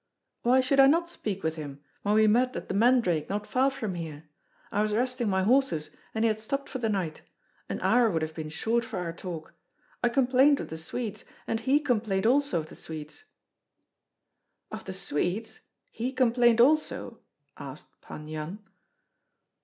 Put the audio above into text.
"Why should I not speak with him, when we met at 'The Mandrake' not far from here? I was resting my horses, and he had stopped for the night. An hour would have been short for our talk. I complained of the Swedes, and he complained also of the Swedes " "Of the Swedes? He complained also?" asked Pan Yan.